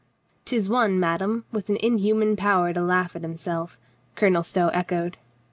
" 'Tis one, madame, with an inhuman power to laugh at himself," Colonel Stow echoed.